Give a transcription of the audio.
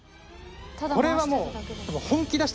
これはもう。